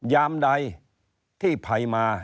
ยามใดที่ภัยมา